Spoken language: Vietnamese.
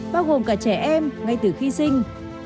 bao gồm cả trẻ em ngay từ khi sinh